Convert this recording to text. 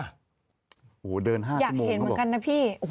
อยากเห็นเหมือนกันนะพี่